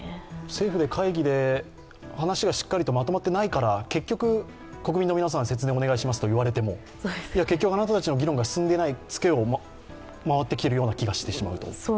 政府の会議で、話がしっかりまとまっていないから、結局国民の皆さん、節電お願いしますと言われても結局あなたたちの議論が進んでいないツケが回ってきてしまう気がしてしまうと。